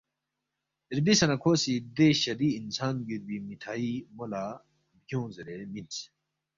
رِبسے نہ کھو سی دے شدی انسان گیُوربی مِٹھائی مو لہ بگیونگ زیرے مِنس